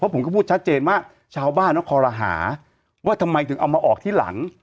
ผมก็พูดชัดเจนว่าชาวบ้านเขาคอรหาว่าทำไมถึงเอามาออกที่หลัง